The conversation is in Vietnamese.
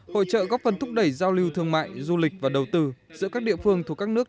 hội trợ góp phần thúc đẩy giao lưu thương mại du lịch và đầu tư giữa các địa phương thuộc các nước